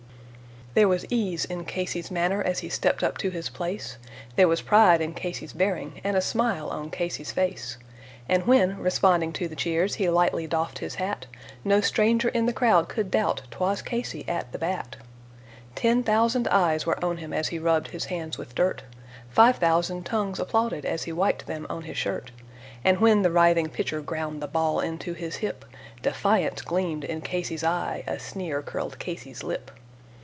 There was ease in Casey's manner as he stepped up to his place, There was pride in Casey's bearing and a smile on Casey's face, And when, responding to the cheers, he lightly doffed his hat, No stranger in the crowd could doubt 'twas Casey at the bat. Ten thousand eyes were on him as he rubbed his hands with dirt, Five thousand tongues applauded as he wiped them on his shirt. And when the writhing pitcher ground the ball into his hip, Defiance gleamed in Casey's eye; a sneer curled Casey's lip.